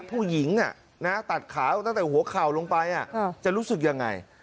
ผู้หญิงตัดขาตั้งแต่หัวเข่าลงไปจะรู้สึกยังไง